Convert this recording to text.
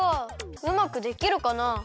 うまくできるかな？